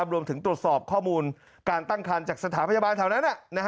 รวมถึงตรวจสอบข้อมูลการตั้งคันจากสถานพยาบาลแถวนั้น